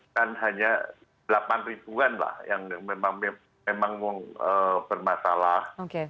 kan hanya delapan ribuan lah yang memang bermasalah